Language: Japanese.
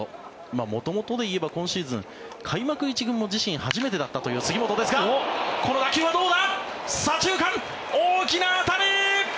元々で言えば今シーズン開幕１軍も自身初めてだったという杉本ですがこの打球はどうだ？